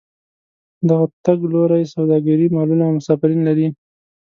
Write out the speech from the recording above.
دغه تګ لوري سوداګرۍ مالونه او مسافرین لري.